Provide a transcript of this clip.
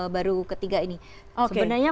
baru ketiga ini sebenarnya